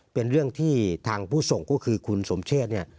เป็นเรื่องที่ทางผู้ส่งก็คือคุณสมเชษเนี่ย